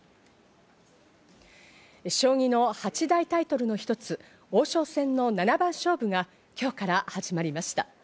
将棋の８大タイトルの一つ、王将戦の七番勝負が今日から始まりました。